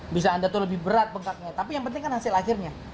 bisa anda tuh lebih berat bengkaknya tapi yang penting kan hasil akhirnya